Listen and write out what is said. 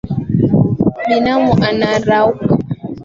Binamu anaruka